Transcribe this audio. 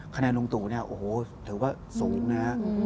คะแนนลงตูถือว่าสูงนะ